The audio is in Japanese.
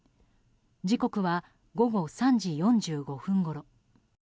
時刻は午後３時４５分ごろ。